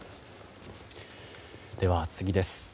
では、次です。